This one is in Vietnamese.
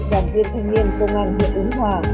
đoàn viên thanh niên công an huyện ứng hòa